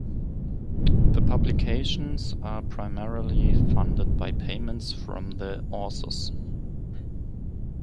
The publications are primarily funded by payments from the authors.